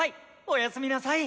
おやすみなさい！」。